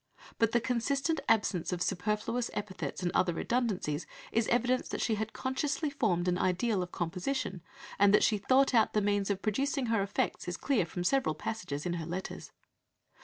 But the consistent absence of superfluous epithets and other redundancies is evidence that she had consciously formed an ideal of composition, and that she thought out the means of producing her effects is clear from several passages in her letters.